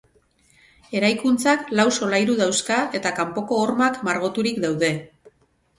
Eraikuntzak lau solairu dauzka eta kanpoko hormak margoturik daude.